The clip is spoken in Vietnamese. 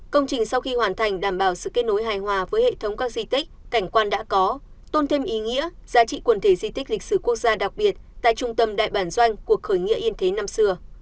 công trình sau khi hoàn thành đảm bảo sự kết nối hài hòa với hệ thống các di tích cảnh quan đã có tôn thêm ý nghĩa giá trị quần thể di tích lịch sử quốc gia đặc biệt tại trung tâm đại bản doanh cuộc khởi nghĩa yên thế năm xưa